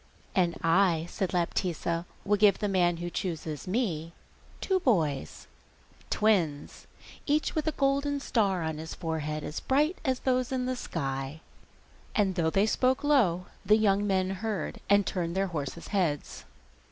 'And I,' said Laptitza, 'will give the man who chooses me two boys, twins, each with a golden star on his forehead, as bright as those in the sky.' And though they spoke low the young men heard, and turned their horses' heads.